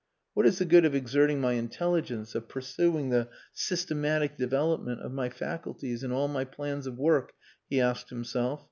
"What is the good of exerting my intelligence, of pursuing the systematic development of my faculties and all my plans of work?" he asked himself.